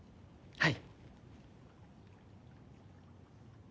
はい。